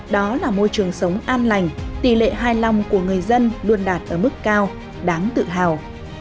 đó là môi trường sống an lành tỷ lệ hài lòng của người dân luôn đạt ở mức cao đáng tự hào